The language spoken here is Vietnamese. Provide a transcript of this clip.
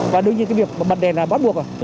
và đương nhiên cái việc bật đèn là bắt buộc rồi